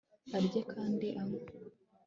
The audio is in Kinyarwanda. arye kandi anywe